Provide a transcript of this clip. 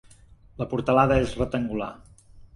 La portalada és rectangular.